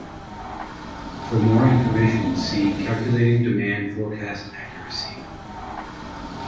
For more information see Calculating demand forecast accuracy.